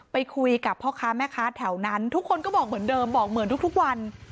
ไปคุยกับพ่อค้าแม่ค้าแถวนั้นทุกคนก็บอกเหมือนเดิมบอกเหมือนทุกวัน